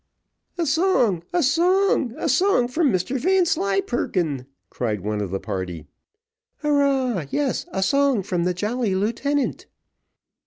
"A song a song a song from Mr Vanslyperken," cried one of the party. "Hurrah! yes, a song from the jolly lieutenant."